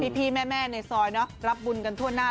พี่แม่ในซอยรับบุญกันทั่วหน้า